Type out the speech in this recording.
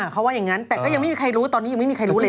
เขาว่าอย่างนั้นแต่ก็ยังไม่มีใครรู้ตอนนี้ยังไม่มีใครรู้เลย